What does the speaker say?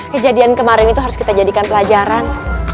kejadian kemarin itu harus kita jadikan pelajaran